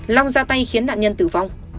long ra tay khiến nạn nhân tử vong